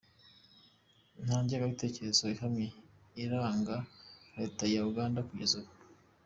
Nta ngengabitekerezo ihamye iranga Leta ya Uganda kugeza ubu.